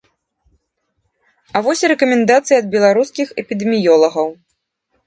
А вось і рэкамендацыі ад беларускіх эпідэміёлагаў.